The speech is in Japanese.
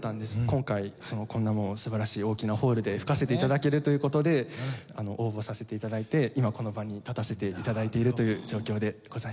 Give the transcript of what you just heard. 今回こんな素晴らしい大きなホールで吹かせて頂けるという事で応募させて頂いて今この場に立たせて頂いているという状況でございます。